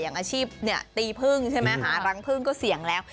อย่างอาชีพตีพึ่งใช่ไหมหารังพึ่งก็เสี่ยงแล้ว